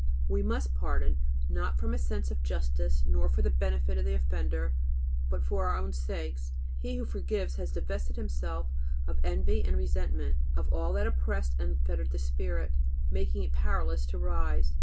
We must pardon, not from a sense of justice nor for the benefit of the offender, but for our own sakes; he who forgives has divested himself of envy and resentment, of all that oppressed and fettered the spirit, making it powerless to rise.